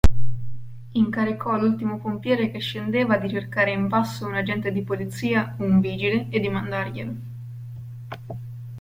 Incaricò l'ultimo pompiere che scendeva di cercare in basso un agente di polizia o un vigile e di mandarglielo.